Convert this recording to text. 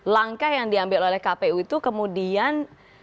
langkah yang diambil oleh kpu itu kemudian